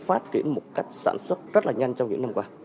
phát triển một cách sản xuất rất là nhanh trong những năm qua